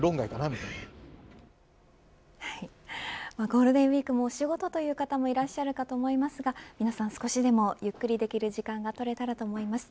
ゴールデンウィークもお仕事という方もいらっしゃるかと思いますが皆さん、少しでもゆっくりできる時間が取れたらと思います。